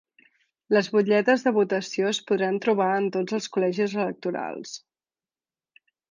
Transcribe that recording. Les butlletes de votació es podran trobar en tots els col·legis electorals.